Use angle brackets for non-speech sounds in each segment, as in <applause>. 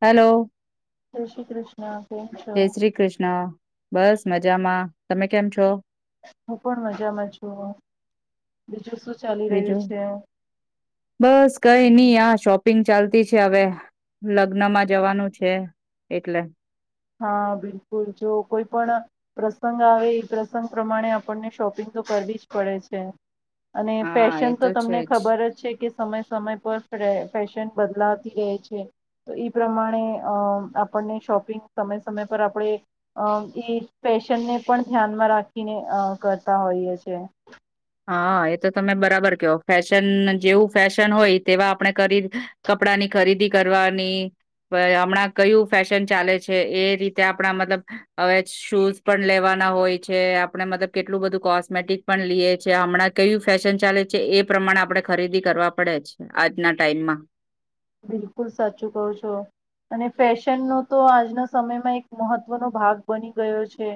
Hello. જય શ્રી કૃષ્ણ. કેમ છો જય શ્રી કૃષ્ણ. બસ મજામાં તમે કેમ છો? હું પણ મજામાં છુ. બીજું શું ચાલી રહ્યું બીજું છે? બસ કઈ નહી આ શોપિંગ ચાલતી છે. હવે લગ્ન માં જવાનું છે એટલે. હા, બિલકુલ જો કોઈ પણ પ્રસંગ આવે એ પ્રસંગ પ્રમાણે આપણને શોપિંગ તો કરવી જ પડે છે અને હા ફેશન એ તો છે તમને ખબર જ છે કે સમય સમય પર ફે-ફેશન બદલાતી રહે છે. તો એ પ્રમાણે આપણને શોપિંગ સમય સમય પર આપણે અ-એ ફેશનને પણ ધ્યાનમાં રાખીને કરતા હોઈએ છેએ. હા એ તો તમે બરાબર કવ ફેશન જેવું ફેશન હોય તેવા આપણે કરી કપડાની ખરીદી કરવાની હમણાં હા એતો તમે બરાબર કયો જેવું ફેશન હોય કાપડની ખરીદી કરવાની. કયું ફેશન ચાલે છે. એ રીતે આપણા મતલબ હવે શૂઝ પણ લેવાના હોય છે આપણે મતલબ કેટલું બધું કોસ્મેટિક પણ લઈએ હમણાં કયું ફેશન ચાલે છે. એ પ્રમાણે આપડણે ખરીદી કરવા પડે છે. આજના ટાઈમમાં. બિલકુલ સાચું કહું છો અને ફેશનનો તો આજના સમયમાં એક મહત્વનો ભાગ બની ગયો છે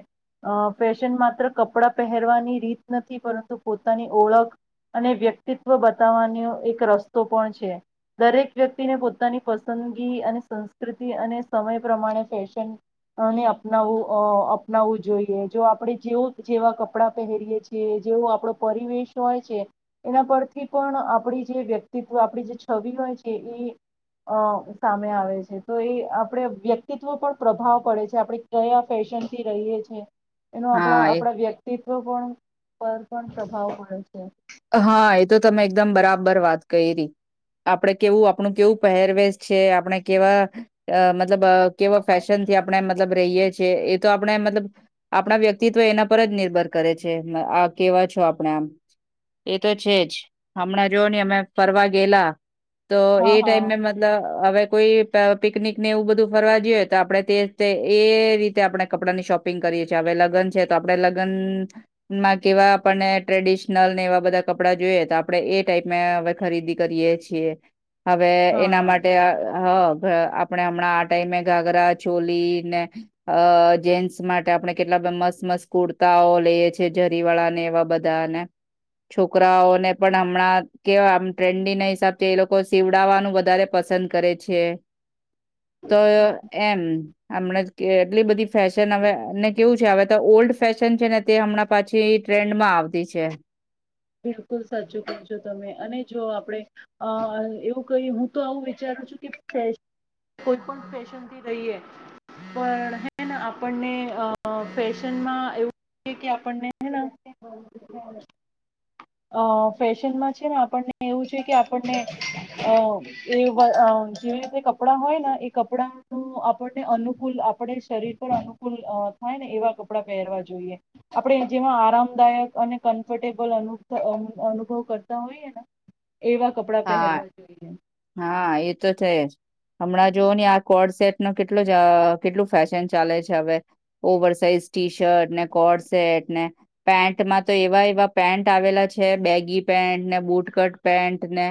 અ ફેશન માત્ર કપડાં પહેરવાની રીત નથી પરંતુ પોતાની ઓળખ અને વ્યક્તિત્વ બતાવવાનો એક રસ્તો પણ છે. દરેક વ્યક્તિને પોતાની પસંદગી અને સંસ્કૃતિ અને સમય પ્રમાણે ફેશનને અપનાવવું અપનાવવું જોઈએ જો આપણે જે જેવા કપડાં પહેરીએ છીએ જેવો આપણો પરિવેશ હોય છે એના પરથી પણ આપણી જે વ્યક્તિત્વ આપણી જે છવી હોય છે એ અ સામે આવે છે. તો એ આપણે વ્યક્તિત્વ પર પ્રભાવ પડે છે આપણે કયા ફેશન થી રહીએ છે એનું હા આપણા એ આપણા વ્યક્તિત્ પર પણ પ્રભાવ પડે છે. હા એ તો તમે એકદમ બરાબર વાત કરી ર આપણે કેવું આપણું કેવું પહેરવેશ છે આપણે કેવા મતલબ કેવા ફેશનથી આપણે મતલ રહીયએ છીએ એ તો આપણે મતલબ આપણા વ્યક્તિત્વ એના પર જ નિર્ભર કરે છે. આ કેવા છો આપણે આમ એ તો છે. જ હમણાં જોવ ને અમે ફરવા ગેલા તો હા એ હા ટાઈમ મે મતલબ અવે કો પિકનિક ને એવું બધું ફરવા જો તો આપણે એ રીતે આપણે કપડાની શોપિંગ કરીએ છીએ એ હ લગન છે. તો આપણે લગ્નમાં કેવા આપણને ટ્રેડિ નલ ને એવા બધા કપડાં જોઈએ તો આપડે એ ટાઈપ હ ખરીદી કરીએ છીએ. હવે એના માટે હા હ હ આપણે હમણાં આ ટાઈમે ઘાઘરા ચોલી ને અ જેન્સ માટે આપણે બ મસ મસ કુર્તાઓ લેયે છે ઝેરી વાળાને નેવા બધા ને. છોકરાઓને પણ હમણાં કેવા આમ ટ્રેન્ડી ના હિસાબથી એ લોકો સીવડાવાનું વધારે પસંદ કરે છે. તો એમ હમણા એટલી બધી ફેશન હવે કેવુ હવે ઓલ્ડ ફેશન છે. ને તે હમણાં પાછી ટ્રેન્ડમાં આવતી છે. બિલકુલ સાચું કહ્યું છે તમે અને જો આપડે અ એવું કહી હું તો આમ વિચારું છું કે <unintelligible> પણ ફેશન થી રહીયે પણ હે ને આપણને અ ફેશનમા એવુ એ કે આપણને હે ને <inaudible> અ ફેશનમાં છે. ને આપણને એવું છે કે આપણને અ એવ અ જેવી રીતે કપડાં હોયને એ કપડાનું આપણને અનુકૂલ આપડે શરીર પર અનુકૂલ થાય ને એવા કપડાં પહેરવા જોઈએ આપડે જેમાં આરામ દાયક અને કન્ફટે પળ અનુબ ધ અનુ અનુભવ કરતા હોઈએ ને. એવા કપડાં હા પહેરવા જોઈએ. હા એ તો છે જ હમણાં જોવ ને આ કોડસેેટ નો કેટલો જ કેટલું ફેશન ચાલે છે. હવે ઓવર સાઇઝ ટી શર્ટ ને કોડસેેટ ને પેન્ટમાં તો એવા એવા પેન્ટ આવેલા છે બેગી પેન્ટ ને બુટ કટ પેન્ટ ને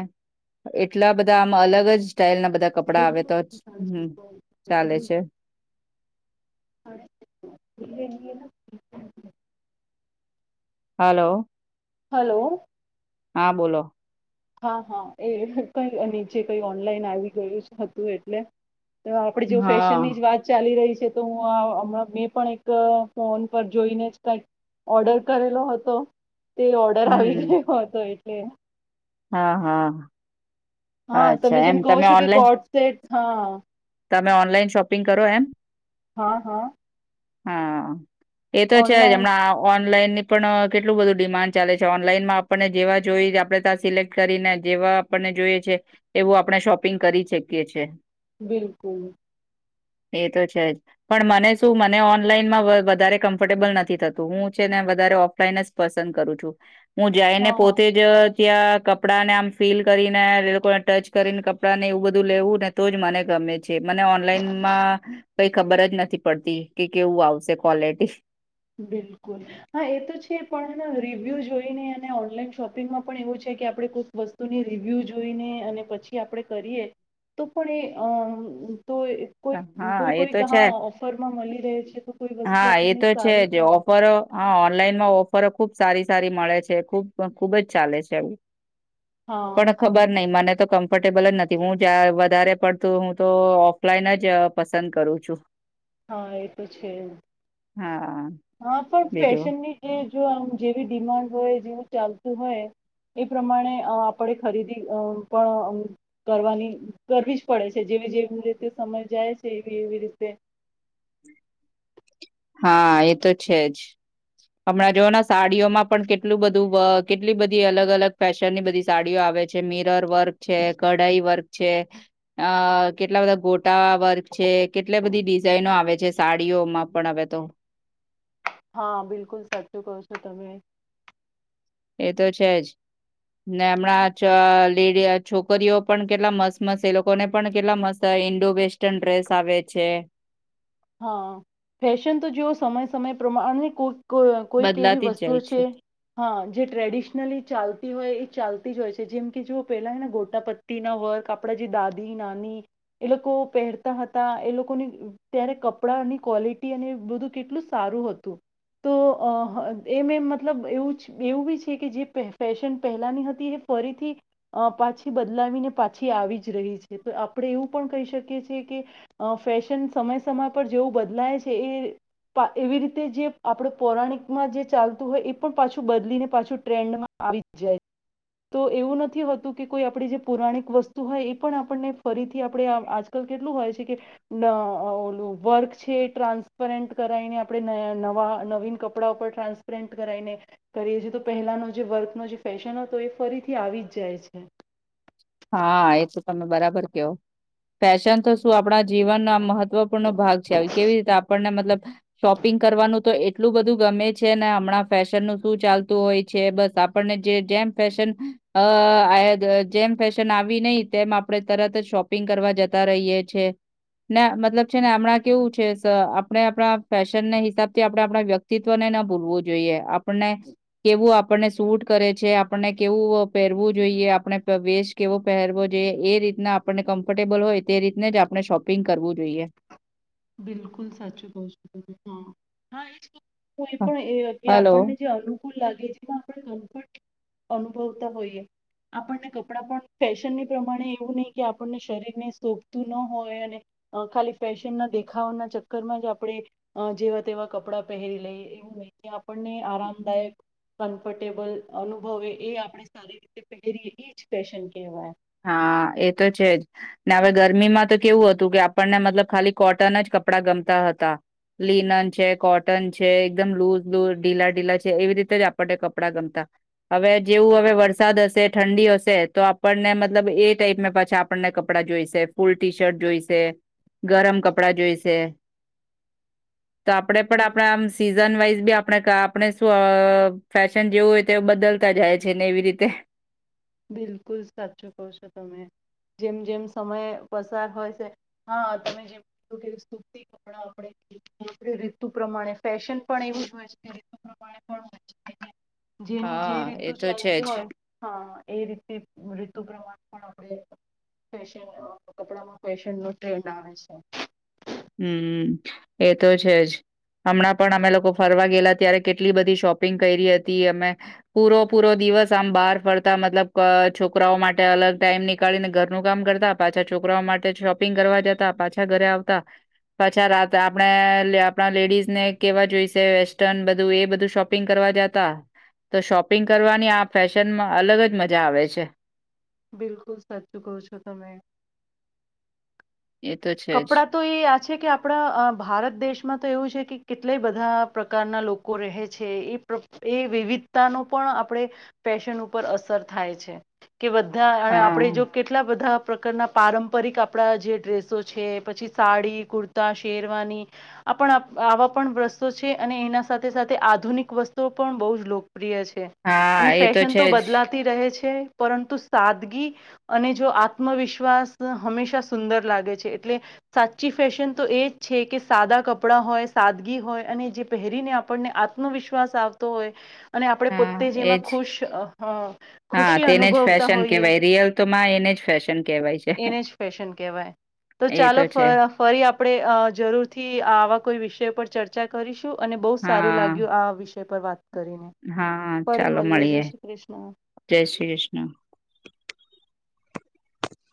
એ ટલા બધા આમાં અલગ જ સ્ટાઈલ ના બધા કપડા આવે તો જ હમ ચાલે છે. <inaudible> હાલો. હલો. હા. બોલો. હા હા એ કઈ નીચે કઈ ઓનલાઈન આવી ગયું હતું એટલે તો આપડે જો હા ફેશન ની જ વાત ચાલી રહી તો તુ હમણાં મી પણ એક ફોન પર જોઈને જ કઈક ઓર્ડર કરેલો હતો. તે ઓર્ડર આવી હમ ગયો હતો એ કે હા હા. હા તમે અચ્છા જેમ એમ કહો છો કે ઓનલાઈન કોટસેટ હા. તમે ઓનલાઈન શોપિંગ કરો એમ. હા હા. હા. એ તો છે જ ઓનલાઈન હમણાં ઓન લાઈન ની પણ કેટલું બધું ડિમાન્ડ ચાલે છે. ઓનલાઈનમાં આપણને જેવા જોઈ આપડે ત્યા સિલેક્ટ કરીને જેવા આપણને જોઈએ છે, એવું આપણે શોપિંગ કરી શકીએ છીએ. બિલકુલ. એ તો છે જ પણ મને શું મ ને ઓનલાઈનમાં વધારે કમ્ફર્ટેબલ નથી થતું, હું છે ને વધારે ઓફલાઈન જ પસંદ કરું છું. હું જઈને હા હા પોતે જ ક્યા કપડા ને આમ ફીલ કરીને એ લોકોને ટચ કરીને કપડાં ને એવું બધું લેવું ને તો જ મને ગમે છે. મને ઓનલાઈનમાં કઈ ખબર જ નથી પડતી. કે કેવું આવશે ક્વલિટી. બિલકુલ હા એ તો છે પણ રિવ્યૂ જોઈને અને ઓનલાઈન શોપિંગમાં પણ એવું છે કે આપડે કોઈક વસ્તુની રિવ્યૂ જોઈને અને પછી આપડે કરીએ તો પણ એ અ તો કોઈક હા કોઈ એ કોઈ ક તો હ છે ઓફરમાં મળી રહે છે તો કોઈ વસ્તુ હા એ આપણને તો છે સારી જે પણ ઓફરો હા ઓનલાઈનમાં ઓ પર ખુબ સારી સારી મળે છે, ખૂબ ખુબ જ ચાલે છે આવું. હા ખબર નહી મને તો કમ ટેબલ જ નથી, હું જ્યાં વધારે પ ડતું હું તો ઓફલાઈન જ પસંદ કરું છું. હા, એ તો છે. હા. હા પણ બીજું ફશનની જે જો આમ જેવી ડિમાન્ડ હોય, જેવું ચાલતું હોય, એ પ્રમાણે અ, આપણે ખરીદી અ, પણ, અ, કરવાની, કરવી જ પડે છે, જેવી જેવી રીતે સમય જાય છે, એવી એવી રીતે હા, એ તો છે જ. હમણાં જોઓ ના, સાડીઓમાં પણ કેટલું બધું, કેટલી બધી અલગ અલગ ફેશનની બધી સાડીઓ આવે છે, મિરર વર્ક છે, કઢાઈ વર્ક છે, અ કેટલા બધા, ગોટા વર્ક છે, કેટલી બધી ડિઝાાઈનો આવે છે સાડીઓમાં પણ હવે તો હા, બિલકુલ સાચું કહો છો તમે એ તો છે જ. ને હમણાં લેડી, છોકરીઓ પણ કેટલા મસ્ત મસ્ત, એ લોકોને પણ કેટલા મસ્ત ઈન્ડો વેસ્ટર્ન ડ્રેસ આવે છે. હા ફેશન તો જોવો સમય સમય પ્રમાણની કોઈ કો કોઈક એવી બદલાતી જ વસ્તુઓ જાય છે, હા, જે ટ્રેડિશનલી ચાલ હોય એ ચાલતી જ હોય છે, જેમ કે જુઓ પેલા હેને, ગોટા પત્તીના વર્ક, આપણા જે દાદી નાની એ લોકો પહેરતા હતા એ લોકોની ત્યારે કપડાંની ક્વોલિટી અને બધું કેટલું સારું હતું. તો અ, એમ એમ મતલબ એવું એવું બી છે કે જે ફેશન પહેલાંની હતી એ ફરીથી અ પાછી બદલાવીને પાછી આવી જ રહી છે, તો આપણે એવું પણ કહી શકીએ છીએ કે ફેશન સમય સમય પર જેવું બદલાય છે, એ એવી રીતે જે આપડ પૌરાણિકમાં જે ચાલતું હોય એ પણ પાછું બદલીને પાછું ટ્રેન્ડમાં આવી જ જાય. તો એવું નથી હોતું કે કોઈ આપણી જે પુરાણિક વસ્તુ હોય એ પણ આપણને ફરીથી થી આપણે, આજકાલ કેટલું હોય છે કે ન બોલ વર્ક છે એ ટ્રાન્સફર કરાઈને આપણે નયા નવીન કપડા ઉપર ટ્રાન્સપરેન્ટ કરાવાઈને કરીએ છીએ, તો પહેલાનો જે વર્કનો જે ફેશન હતો, એ ફરીથી આવી જ જાય છે. હા એ તો તમે બરાબર કેવ, ફેશન તો શું આપણા જીવનનો આ મહત્વપૂર્ણો ભાગ છે, આવી કેવી રીતે આપણને મતલબ સોપિંગ કરવાનું તો એટલું બધું ગમે છે ને હમણાં ફેશનનું સુ ચાલતું હોય છે, બસ આપણને જે જેમ ફેશન <unintelligible> જેમ ફેશન આવી નહી તેમ આપણે તરત જ શોપિંગ કરવા જતા રહીએ છે. ને મતલબ છે ને હમણાં કેવું છે સ આપણે આપણા ફેશન હિસાબથી આપણે આપણા વ્યક્તિત્વને ના ભૂલવું જોઈએ, આપણને કેવુ, આપણને સૂટ કરે છે, આપણને કેવું પહેરવું જોઈએ, આપણે વેશ કેવો પહેરવો જોઈએ, એ રીતના આપણને કમ્ફર્ટેબલ હોય, તે રીતને જ આપણે શોપિંગ કરવું જોઈએ. બિલકુલ સાચી બહુ <unintelligible> કોઈ હ- પણ એ કે હલો. આપણને જે અનુ લાગે જેમા આપ કમફટ અનુભવતા હોઈએ, આપણને કપડા પણ ફેશનની પ્રમાણે, એવું નહી કે આપણને શરીરને સોભતું ન હોય અને ખાલી ફેશન ના દેખ દખાવના ચક્કરમાં જ આપણે જેવા તેવા કપડાં પહેરી લઈએ, એવું નહિ, આપણને આરામદાયક કમ્ફર્ટેબલ અનુભવે એ આપણે સારી રીતે પહેરીએ, એ જ ફેશન કહેવાય. હા, એ તો છે જ. ને હવે ગરમીમાં તો કેવું હતું કે આપણને મતલબ ખાલી કોટન જ કપડાં ગમતા હતા, લિનન છે, કોટન છે એકદમ લૂઝ લૂઝ ઢીલા ઢીલા છે એવી રીતે જ આપણને કપડાં ગમતા હવે જેવું હવે વરસાદ હસે, ઠંડી હસે તો આપણને મતલબ એ ટાઈપ પાછા આપણને કપડાં જોઈસે, ફૂલ ટી શર્ટ જોઈસે, ગરમ કપડાં જોઈસે તો આપડે પણ આપડા આમ, સીઝ ઝન વાઈઝ બી આપણે, આપણે, સુ, અ ફેશન જેવું હોય, તે બદલતા જાય છે ને એવી રીતે બિલકુલ સાચું કહો છો તમે, જેમ જેમ સમય પસાર હોય છે, હા, તમે જેમ કીધું કે સુતી કપડા આપણે, મોસ્ટલી રિતુ પ્રમાણે, ફેશન પણ એવું જ હોય છે પ્રમાણે જેની જે હા રીતુ એ તો છે ચાલતી જ હોય, હા. એ રીતે રિતુ પ્રમાણે પણ આપણે, ફેશન, કપડામાં ફેશન નો ટ્રેન્ડ આવે છે. હમ, એ તો છે જ. હમણાં પણ અમે લોકો ફરવા ગેલા ત્યારે કેટલી બધી શોપિંગ કરી હતી અમે પૂરો પૂરો દિવસ આમ બહાર ફરતા મતલબ છોકરાઓ માટે અલગ ટાઈમ નીકળીને ઘરનું કામ કરતા પાછા છોકરાઓ માટે શોપિંગ કરવા જતા પાછા ઘરે આવતા પછા રાત આપણે આપણા લેડીઝને કેવા જોઈશે વેસ્ટર્ન બધું એ બધું શોપિંગ કરવા જતા તો શોપિંગ કરવાની આ ફેશનમાં અલગ જ મજા આવે છે. બિલકુલ સાચું કહો છો તમે એ તો છે જ. કપડાં તો એ આ છે કે આપણા ભારત દેશમાં તો એવું છે કે કેટલા બધા પ્રકારના લોકો રહે છે એ એ વિવિધતા ન પણ આપણે ફેશન ઉપર અસર થાય છે. કે બધા અને હા આપડે જો કેટલા બધા પ્રકારના પારંપરિક આપણા જે ડ્રેસો છે. છે પછી સાડી કુર્તા શેરવાની આ આવા પણ વ્રસ્તોો છે અને એના સાથે સાથે આધુનિક વસ્તુ પણ બહુ જ લોક પ્રિય છે અને હા એ ફેશન તો છે જ બદલાતી રહે છે. પરંતુ સાદગી અને જો આત્મવિશ્વાસ હંમેશા સુંદર લાગે છે. એટલે સાચી ફેશન તો એજ છે કે સાદા કપડાં હોય સાદગી હોય અને જે પહેરીને આપણને આત્મવિશ્વાસ આવતો હોય અને આપણે હા પોતે જેમાં એજ. ખુશ હા ખુશી તેને જ અનુભવતા ફેશન હોઈએ કેહેવાય રિયલ તો માં એને જ ફેશન કહેવાય છે. એને જ ફેશન કહેવાય. તો એ ચાલો છે ફ ફરી આપણે અ જરૂરથી આવા કોઈ વિષય પર ચર્ચા કરીશું. શું અને બહુ સારું હા લાગ્યું આ વિષ ય પર વાત કરીને હા ફરી ચાલો મળીએ જય શ્રી કૃષ્ણ જય શ્રી કૃષ્ણ.